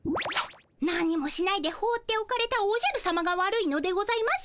何もしないでほうっておかれたおじゃるさまが悪いのでございます。